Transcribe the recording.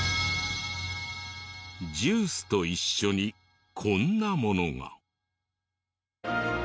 ジュースと一緒にこんなものが。